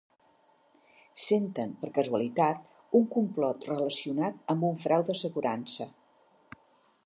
Senten per casualitat un complot relacionat amb un frau d'assegurança.